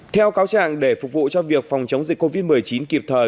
theo cáo trạng để phục vụ cho việc phòng chống dịch covid một mươi chín kịp thời